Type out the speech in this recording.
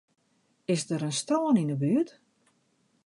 Is der in strân yn 'e buert?